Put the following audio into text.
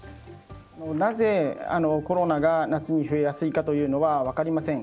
なぜコロナが夏に増えやすいかというのは分かりません。